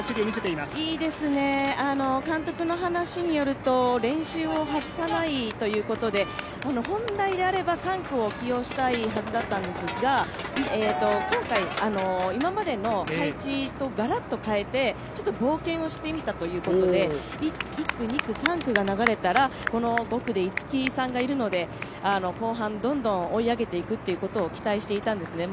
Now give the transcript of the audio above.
いいですね、監督の話によると、練習を外さないということで、本来であれば３区に起用したいはずだったんですが今回、今までの配置とがらっと変えてちょっと冒険をしてみたということで１区、２区、３区が流れたら、この５区で逸木さんがいるから後半どんどん追い上げていくことを期待していたんですね。